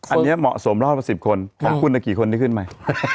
อันนี้เหมาะสมรอบละ๑๐คนของคุณกี่คนที่ขึ้นไป